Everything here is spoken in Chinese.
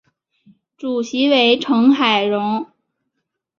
主席为成海荣。